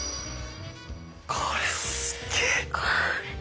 これすげえ。